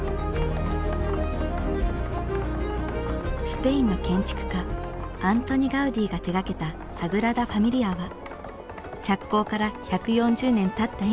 スペインの建築家アントニ・ガウディが手がけた「サグラダファミリア」は着工から１４０年たった